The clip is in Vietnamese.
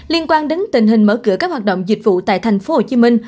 liên quan đến tình hình mở cửa các hoạt động dịch vụ tại tp hcm